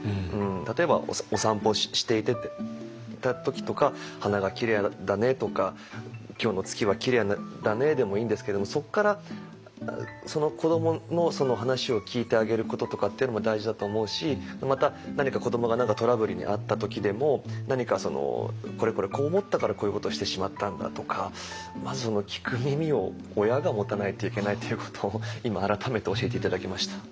例えばお散歩していた時とか「花がきれいだね」とか「今日の月はきれいだね」でもいいんですけれどもそっから子どものその話を聞いてあげることとかっていうのも大事だと思うしまた何か子どもが何かトラブルに遭った時でも何かそのこれこれこう思ったからこういうことをしてしまったんだとかまず聞く耳を親が持たないといけないということを今改めて教えて頂きました。